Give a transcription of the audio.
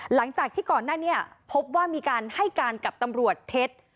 หลังจากที่ก่อนหน้านี้พบว่ามีการให้การกับตำรวจเท็จ